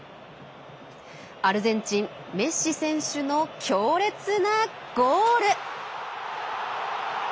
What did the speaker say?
アルゼンチンメッシ選手の強烈なゴール！